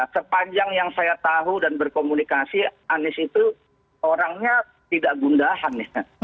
sepanjang yang saya tahu dan berkomunikasi anies itu orangnya tidak gundahan ya